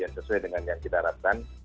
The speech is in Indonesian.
sesuai dengan yang kita harapkan